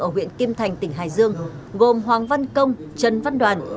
ở huyện kim thành tỉnh hải dương gồm hoàng văn công trần văn đoàn